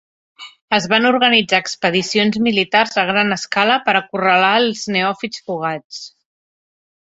Es van organitzar expedicions militars a gran escala per acorralar els neòfits fugats.